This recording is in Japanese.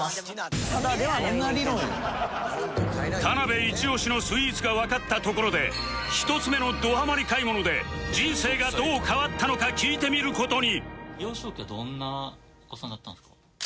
田辺イチオシのスイーツがわかったところで１つ目のどハマり買い物で人生がどう変わったのか聞いてみる事に